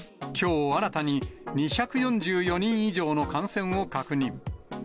きょう、新たに２４４人以上の感染を確認。